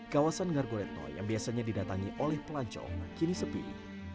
di ngargoretno yang biasanya didatangi oleh pelancong kini sepilih